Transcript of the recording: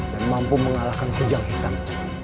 dan mampu mengalahkan hujan hitam